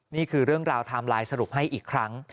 นี่คือเรื่องราวไทม์ไลน์สรุปให้อีกครั้ง